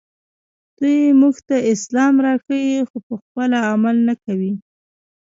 دوی موږ ته اسلام راښيي خو پخپله عمل نه کوي